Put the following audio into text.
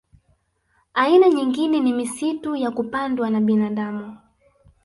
Aina nyingine ni misitu ya kupandwa na binadamu